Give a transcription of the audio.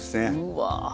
うわ。